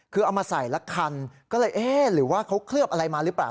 คือเอามาใส่ละคันก็เลยเอ๊ะหรือว่าเขาเคลือบอะไรมาหรือเปล่า